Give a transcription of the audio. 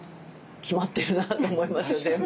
きまってるなと思いますよ